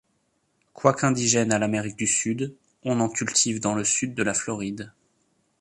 Quoiqu'indigène à l'Amérique du Sud, on en cultive dans le sud de la Floride.